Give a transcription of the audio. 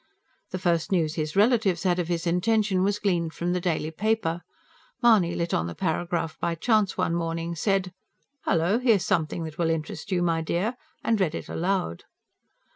The first news his relatives had of his intention was gleaned from the daily paper. Mahony lit on the paragraph by chance one morning; said: "Hullo! Here's something that will interest you, my dear," and read it aloud.